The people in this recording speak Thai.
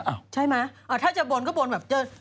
ใช่ไหมถ้าจะบนก็บนแบบจะ